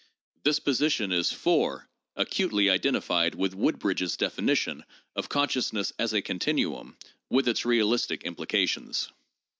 This position is (4) acutely identified with Woodbridge's definition of consciousness as a continuum, with its realistic implications.